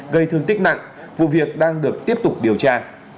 gây thương tích nặng vụ việc đang được tiếp tục điều tra